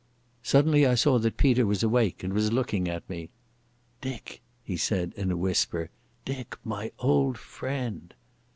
Suddenly I saw that Peter was awake and was looking at me. "Dick," he said in a whisper, "Dick, my old friend."